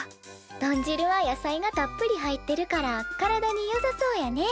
豚汁は野菜がたっぷり入ってるから体によさそうやね。